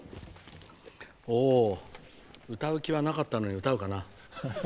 お歌う気はなかったのに歌うかな。